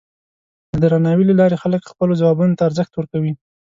د درناوي له لارې خلک خپلو ځوابونو ته ارزښت ورکوي.